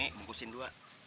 ini bungkusin dua